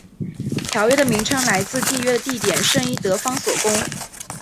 条约的名称来自缔约的地点圣伊德方索宫。